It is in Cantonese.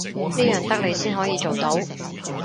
呢樣得你先可以做到